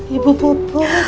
ibu bu bu